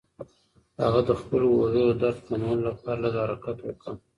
هغه د خپلو اوږو د درد د کمولو لپاره لږ حرکت وکړ.